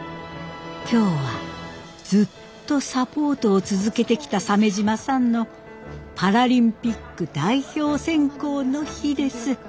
今日はずっとサポートを続けてきた鮫島さんのパラリンピック代表選考の日です。